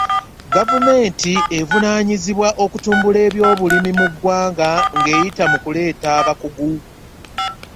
Govumenti evunanyizibwa okutumbula eby'obulimi mu gwanga nga eyita mu kuleeta abakugu.